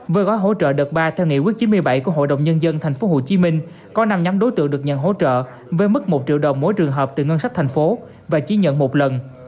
về gói hỗ trợ đợt ba theo nghị quyết chín mươi bảy của hội đồng nhân dân thành phố hồ chí minh có năm nhóm đối tượng được nhận hỗ trợ với mức một triệu đồng mỗi trường hợp từ ngân sách thành phố và chỉ nhận một lần